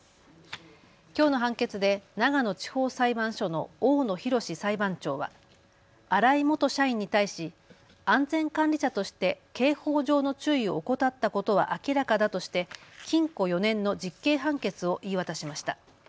きょうの判決で長野地方裁判所の大野洋裁判長は荒井元社員に対し、安全管理者として刑法上の注意を怠ったことは明らかだとして禁錮４年の実刑判決を言い渡しました。